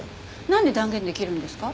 なんで断言できるんですか？